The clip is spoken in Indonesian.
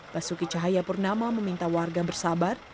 basuki cahaya purnama meminta warga bersabar